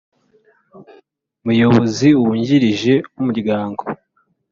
Muyobozi wungirije w umuryango